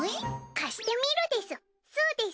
貸してみるです。